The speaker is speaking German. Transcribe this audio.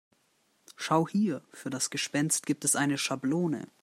Schau hier, für das Gespenst gibt es eine Schablone.